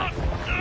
あ！